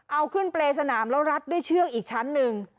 เอาขึ้นเปรย์สนามแล้วรัดด้วยเชือกอีกชั้นหนึ่ง